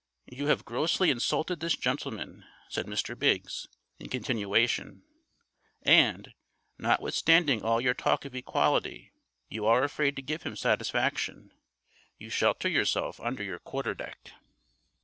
"You have grossly insulted this gentleman," said Mr. Biggs, in continuation; "and, notwithstanding all your talk of equality, you are afraid to give him satisfaction; you shelter yourself under your quarter deck."